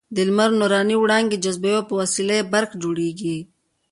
د لمر نوراني وړانګې جذبوي او په وسیله یې برق جوړېږي.